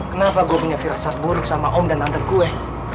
kenapa gue punya firasat buruk sama om dan gue